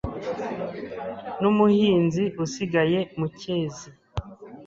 N'umuhinza usigaye mu cyezi